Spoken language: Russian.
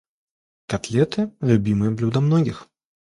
Котлеты - любимое блюдо многих.